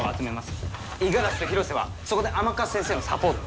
五十嵐と広瀬はそこで甘春先生のサポートを。